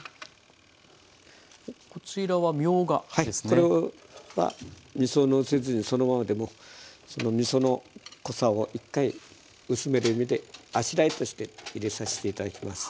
これはみそのせずにそのままでもみその濃さを一回薄めてみて「あしらい」として入れさせて頂きます。